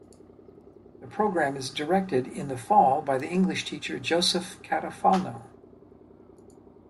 The program is directed in the fall by the English teacher Joseph Catalfano.